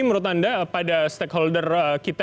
menurut anda pada stakeholder kita